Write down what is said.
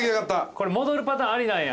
これ戻るパターンありなんや。